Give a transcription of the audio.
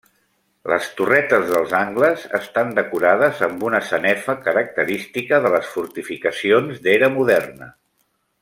Les torretes dels angles estan decorades amb una sanefa característica de les fortificacions d'era moderna.